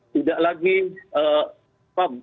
tidak lagi pak